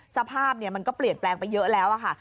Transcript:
สภาพมันก็เปลี่ยนแปลงไปเยอะแล้วค่ะ